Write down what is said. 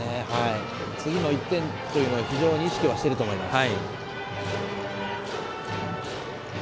次の１点というのは意識していると思います。